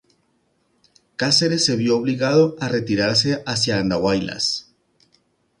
Cáceres se vio obligado a retirarse hacia Andahuaylas.